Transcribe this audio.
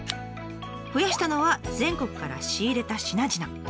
増やしたのは全国から仕入れた品々。